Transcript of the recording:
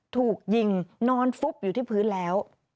ถูกยิงนอนฟุบอยู่ที่พื้นแล้ว